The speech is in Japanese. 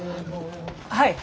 はい！